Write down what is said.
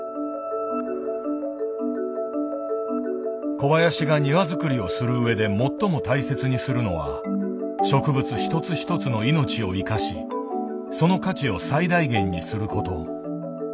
小林が庭づくりをするうえで最も大切にするのは植物一つ一つの命を生かしその価値を最大限にすること。